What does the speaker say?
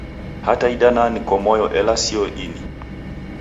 Hata idana nko moyo ela sio ini.